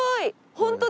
ホントだ。